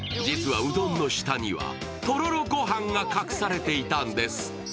実はうどんの下にはとろろごはんが隠されていたんです。